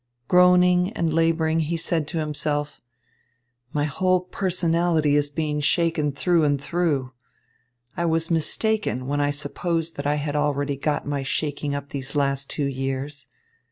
Groaning and labouring, he said to himself: "My whole personality is being shaken through and through. I was mistaken when I supposed that I had already got my shaking up these last two years.